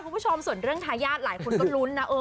คุณผู้ชมส่วนเรื่องทรายาชไล่คนก็รุ้นที